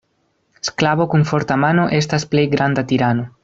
Sklavo kun forta mano estas plej granda tirano.